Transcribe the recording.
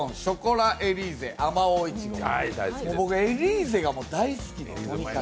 僕エリーゼが大好きで。